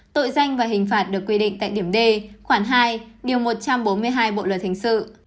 tội danh và hình phạt được quy định tại điểm d khoản hai điều một trăm bốn mươi hai bộ luật hình sự